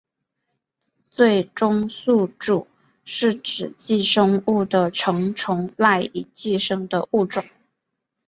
最终宿主是指寄生物的成虫赖以寄生的物种。